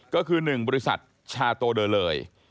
ก็คือ๑บริษัทชาโตเดอร์เลย